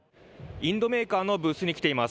インドメーカーのブースに来ています。